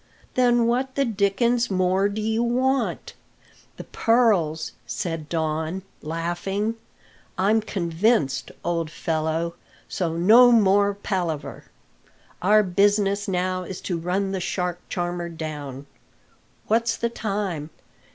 "Then what the dickens more do you want?" "The pearls," said Don, laughing. "I'm convinced, old fellow, so no more palaver. Our business now is to run the shark charmer down. What's the time?"